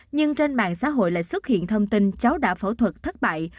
nhưng trên mạng xã hội lại xuất hiện thông tin cháu đã phẫu thuật thất bại